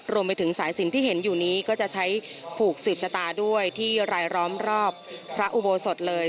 รวมไปถึงสายสินที่เห็นอยู่นี้ก็จะใช้ผูกสืบชะตาด้วยที่รายล้อมรอบพระอุโบสถเลย